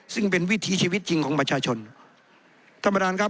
ซึ่งเป็นวิถีชีวิตจริงของประชาชนท่านประธานครับ